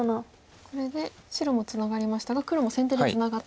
これで白もツナがりましたが黒も先手でツナがったと。